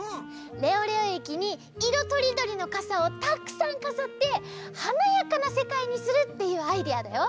レオレオえきにいろとりどりのかさをたくさんかざってはなやかなせかいにするっていうアイデアだよ。